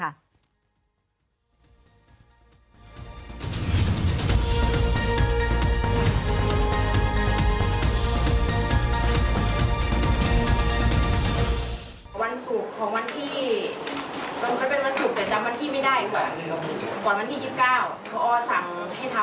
ทีนี้วันอาทิตย์หยุดแล้วก็วันจันทร์ก็หยุด